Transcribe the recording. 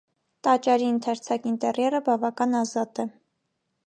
Տաճարի ընդարձակ ինտերիերը բավական ազատ է։